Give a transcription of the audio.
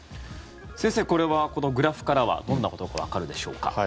先生、これはこのグラフからはどんなことがわかるでしょうか。